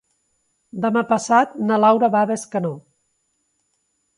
Demà passat na Laura va a Bescanó.